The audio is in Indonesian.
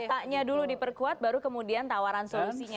datanya dulu diperkuat baru kemudian tawaran solusinya